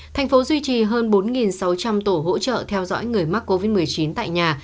thành phố duy trì hơn bốn sáu trăm linh tổ hỗ trợ theo dõi người mắc covid một mươi chín tại nhà